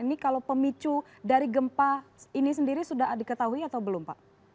ini kalau pemicu dari gempa ini sendiri sudah diketahui atau belum pak